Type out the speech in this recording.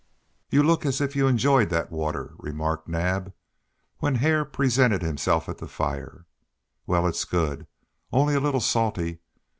"You look as if you enjoyed that water," remarked Naab, when Hare presented himself at the fire. "Well, it's good, only a little salty.